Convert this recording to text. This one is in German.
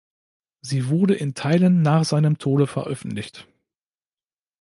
Sie wurde in Teilen nach seinem Tode veröffentlicht.